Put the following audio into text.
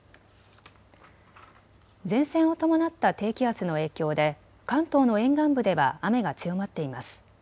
前線を伴った低気圧の影響で関東の沿岸部では雨が強まっています。